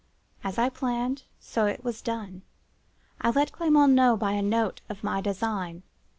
As I planned, so it was done. I let Clement know, by a note, of my design.